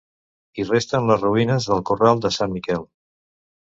Hi resten les ruïnes del Corral de Sant Miquel.